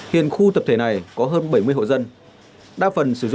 hiện khu tập thể này có hơn bảy mươi hộ dân